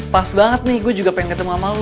pas banget nih gue juga pengen ketemu mama lu